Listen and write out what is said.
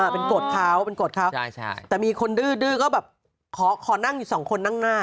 เป็นกฎเขาแต่มีคนดื้อก็แบบขอนั่งอยู่๒คนนั่งหน้า